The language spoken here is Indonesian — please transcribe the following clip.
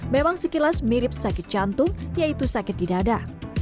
memang sekilas mirip sakit jantung yaitu sakit di dada